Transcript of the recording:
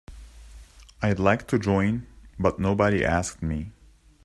I'd like to join but nobody asked me.